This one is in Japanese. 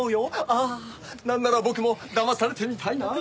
ああなんなら僕も騙されてみたいなあ。